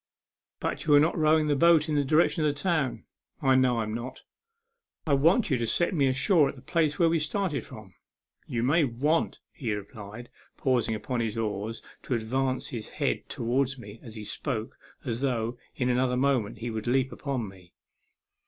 "But you are not rowing the boat in the direction of the town." " I know I'm not." "I want you to set me ashore at the place where we started from." u Ye may want," he replied, pausing upon his oars to advance his head towards me as he spoke, as though, in another moment, he would leap upon me.